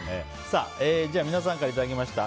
皆さんからいただきました